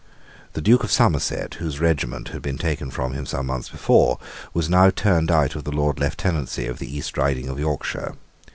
The Duke of Somerset, whose regiment had been taken from him some months before, was now turned out of the lord lieutenancy of the East Riding of Yorkshire.